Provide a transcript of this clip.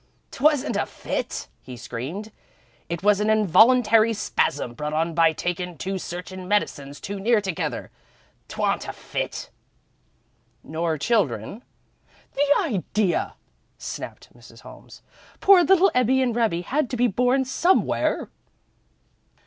"'T wa'n't a fit!" he screamed. "It was a involuntary spasm brought on by takin' two searchin' medicines too near together. 'T wa'n't a fit!" "Nor children " "The idea!" snapped Mrs. Holmes. "Poor little Ebbie and Rebbie had to be born somewhere."